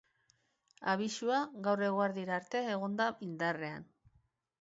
Abisua gaur eguerdira arte egon da indarrean.